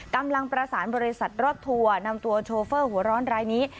กำลังประสานบริษัทรถทัวร์นำตัวโชเฟอร์หัวร้อนรายนี้